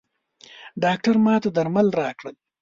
ډاکټر ماته درمل راکړل.